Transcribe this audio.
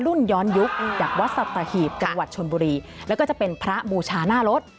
รุ่นย้อนยุคจากวัดสัตหีบจังหวัดชนบุรีแล้วก็จะเป็นพระบูชาหน้ารถ